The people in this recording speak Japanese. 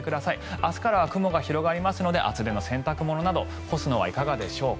明日からも日差しが広がるので厚手の洗濯物など干すのはいかがでしょうか。